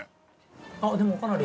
あっでもかなり。